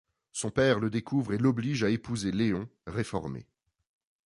Son père le découvre et l'oblige à épouser Léon, réformé.